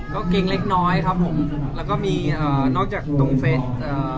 ก็เกรงเล็กน้อยครับผมแล้วก็มีอ่านอกจากตรงเฟสเอ่อ